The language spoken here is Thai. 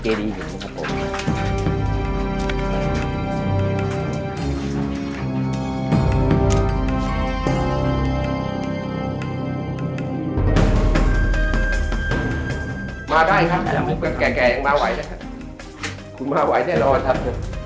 มาได้ครับแก่ยังมาไหวนะครับคุณมาไหวแน่นอนครับ